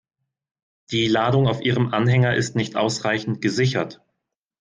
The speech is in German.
Die Ladung auf Ihrem Anhänger ist nicht ausreichend gesichert.